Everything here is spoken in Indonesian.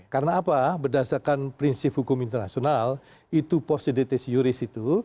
karena apa berdasarkan prinsip hukum internasional itu positeditas juris itu